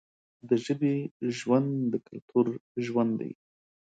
د ژبې ژوند د کلتور ژوند دی.